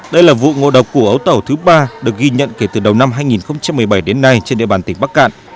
đây là vụ ngộ độc của ấu tẩu thứ ba được ghi nhận kể từ đầu năm hai nghìn một mươi bảy đến nay trên địa bàn tỉnh bắc cạn